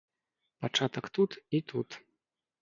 Пачатак тут і тут.